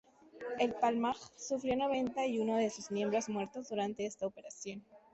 El Palmaj sufrió noventa y uno de sus miembros muertos durante esta operación.